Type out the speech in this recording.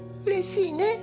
うれしいね。